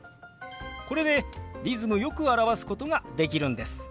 これでリズムよく表すことができるんです。